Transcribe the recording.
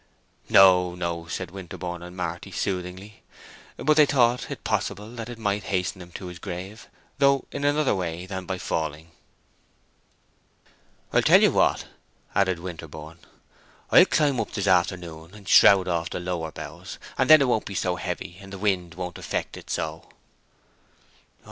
"No, no," said Winterborne and Marty, soothingly. But they thought it possible that it might hasten him into his grave, though in another way than by falling. "I tell you what," added Winterborne, "I'll climb up this afternoon and shroud off the lower boughs, and then it won't be so heavy, and the wind won't affect it so."